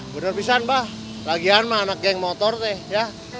bener bisa mba lagi sama anak geng motor ya